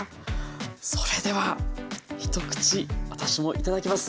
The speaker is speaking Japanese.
それでは一口私も頂きます。